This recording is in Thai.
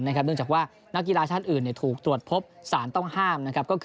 เนื่องจากว่านักกีฬาชาติอื่นถูกตรวจพบสารต้องห้าม